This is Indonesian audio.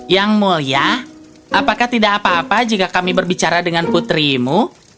yang mulia apakah tidak apa apa jika kami berbicara dengan putrimu